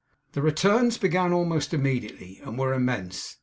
The returns began almost immediately, and were immense.